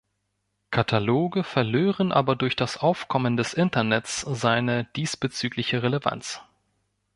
Kataloge verlören aber durch das Aufkommen des Internets seine diesbezügliche Relevanz.